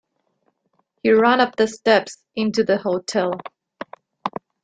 He ran up the steps into the hotel.